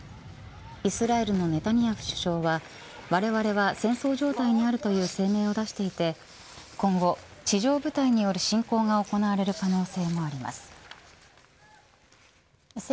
イスラエルのネタニヤフ首相はわれわれは戦争状態にあるとの声明を出していて今後、地上部隊による侵攻が行われる可能性もあります。